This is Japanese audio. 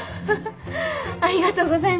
ありがとうございます。